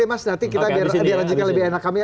maka ada oknum